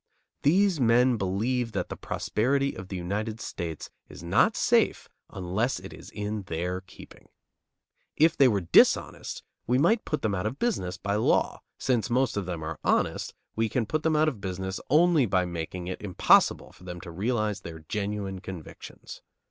These men believe that the prosperity of the United States is not safe unless it is in their keeping. If they were dishonest, we might put them out of business by law; since most of them are honest, we can put them out of business only by making it impossible for them to realize their genuine convictions.